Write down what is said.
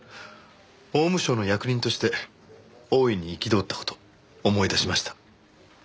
法務省の役人として大いに憤った事思い出しました。